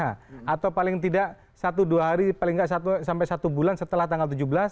atau paling tidak satu dua hari paling tidak satu sampai satu bulan setelah tanggal tujuh belas